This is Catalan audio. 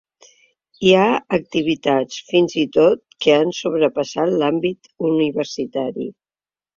Hi ha activitats, fins i tot, que han sobrepassat l’àmbit universitari.